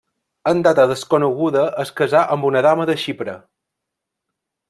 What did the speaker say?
En data desconeguda es casà amb una dama de Xipre.